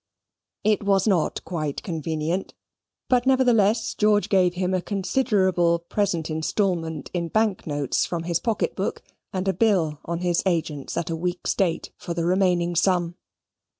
It was not quite convenient, but nevertheless George gave him a considerable present instalment in bank notes from his pocket book, and a bill on his agents at a week's date, for the remaining sum.